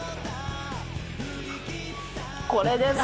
これです！